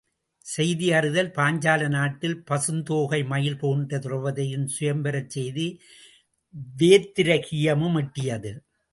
செய்தி அறிதல் பாஞ்சால நாட்டில் பசுந்தோகை மயில் போன்ற திரெளபதியின் சுயம்வரத் செய்தி வேத்திரகீயமும் எட்டியது.